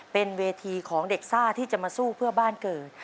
เป็นเวทีของเด็กซ่าที่จะมาสู้เพื่อบ้านเกิด